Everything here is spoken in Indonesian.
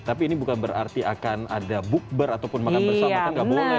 tapi ini bukan berarti akan ada bukber ataupun makan bersama kan gak boleh